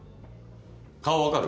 顔分かる？